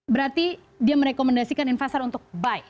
berarti dia merekomendasikan investor untuk buy